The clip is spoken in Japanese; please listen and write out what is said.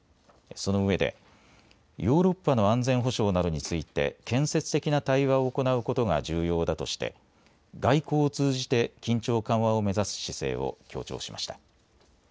そのうえでヨーロッパの安全保障などについて建設的な対話を行うことが重要だとして外交を通じて緊張緩和を目指す姿勢を強調しました。